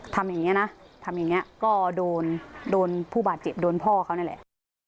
ทำอย่างนี้นะทำอย่างนี้ก็โดนโดนผู้บาดเจ็บโดนพ่อเขานี่แหละ